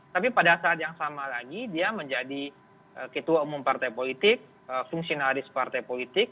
tapi pada saat yang sama lagi dia menjadi ketua umum partai politik fungsionalis partai politik